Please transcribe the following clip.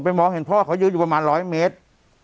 มองเห็นพ่อเขายืนอยู่ประมาณ๑๐๐เมตร